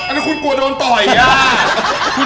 มันขอโดนถ่อยมั้ย